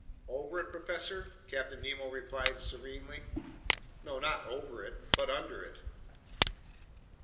"Over it, professor?" Captain Nemo replied serenely. "No, not over it, but under it."